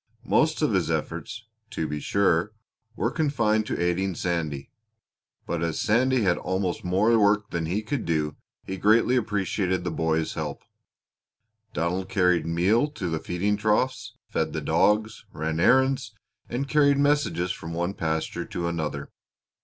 Most of his efforts, to be sure, were confined to aiding Sandy; but as Sandy had almost more work than he could do he greatly appreciated the boy's help. Donald carried meal to the feeding troughs, fed the dogs, ran errands, and carried messages from one pasture to another.